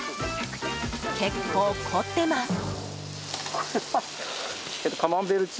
結構、凝ってます。